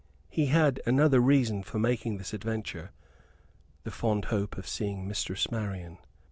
He had another reason for making this adventure: the fond hope of seeing Mistress Marian.